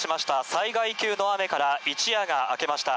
災害級の雨から一夜が明けました。